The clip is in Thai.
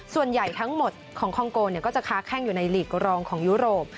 ส่วนใหญ่ทั้งหมดของคองโกก็จะค้าแข้งอยู่ในหลีกรองของยุโรป